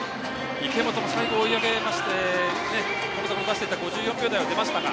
池本も最後追い上げまして５４秒台は出ましたが。